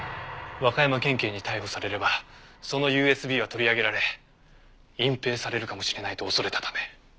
和歌山県警に逮捕されればそのＵＳＢは取り上げられ隠蔽されるかもしれないと恐れたため。